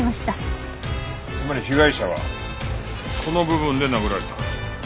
つまり被害者はこの部分で殴られた。